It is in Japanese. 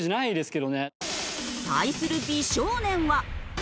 対する美少年は？